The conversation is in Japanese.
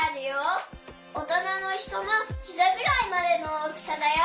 おとなのひとのひざぐらいまでの大きさだよ。